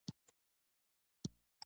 انار د وینې ټينګښت ته ګټه رسوي.